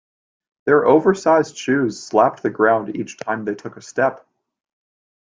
Their oversized shoes slapped the ground each time they took a step.